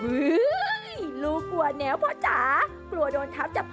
เฮ้ยลูกกลัวแนวพ่อจ๋ากลัวโดนทับจับพ่อ